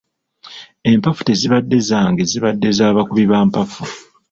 Empafu tezibadde zange zibadde za bakubi ba mpafu.